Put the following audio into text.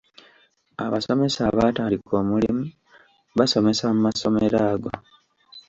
Abasomesa abaatandika omulimu basomesa mu masomero ago.